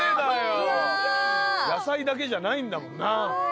野菜だけじゃないんだもんな。